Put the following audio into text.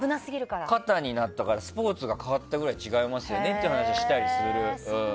肩になったからスポーツが変わったぐらい違いますよねって話をする。